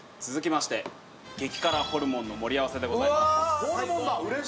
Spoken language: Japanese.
激辛ホルモンの盛り合わせでございます。